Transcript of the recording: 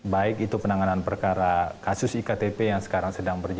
baik itu penanganan perkara kasus iktp yang selalu ada di dalam pansus